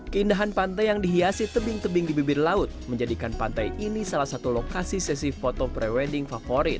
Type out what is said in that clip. keindahan pantai yang dihiasi tebing tebing di bibir laut menjadikan pantai ini salah satu lokasi sesi foto pre wedding favorit